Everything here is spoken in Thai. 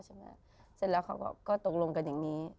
เสร็จแล้วเขาก็ตกลงกันอย่างนี้